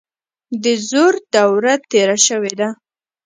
د زور دوره تیره شوې ده.